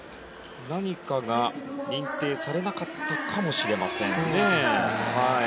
何かが認定されなかったかもしれませんね。